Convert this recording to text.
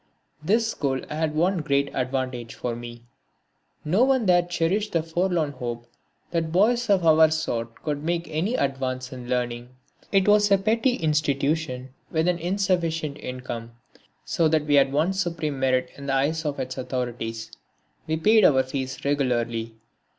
This school had one great advantage for me. No one there cherished the forlorn hope that boys of our sort could make any advance in learning. It was a petty institution with an insufficient income, so that we had one supreme merit in the eyes of its authorities we paid our fees regularly.